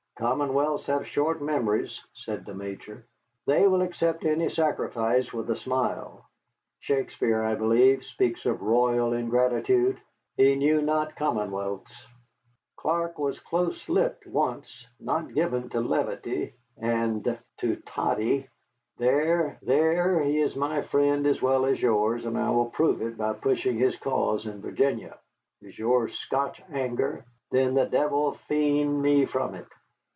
"Commonwealths have short memories," said the Major; "they will accept any sacrifice with a smile. Shakespeare, I believe, speaks of royal ingratitude he knew not commonwealths. Clark was close lipped once, not given to levity and to toddy. There, there, he is my friend as well as yours, and I will prove it by pushing his cause in Virginia. Is yours Scotch anger? Then the devil fend me from it.